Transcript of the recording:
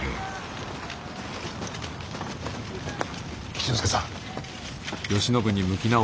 吉之助さあ。